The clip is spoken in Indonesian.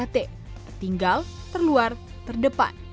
tertinggal terluar terdepan